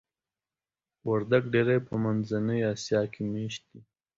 وردګ ډیری په منځني افغانستان کې میشت دي.